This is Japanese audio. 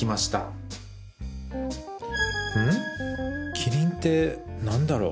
「キリン」って何だろう？